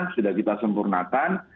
sudah kita sempurnakan